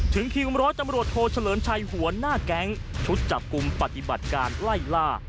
ทีมร้อยตำรวจโทเฉลิมชัยหัวหน้าแก๊งชุดจับกลุ่มปฏิบัติการไล่ล่า